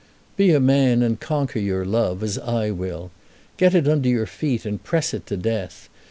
"Be a man and conquer your love, as I will. Get it under your feet and press it to death.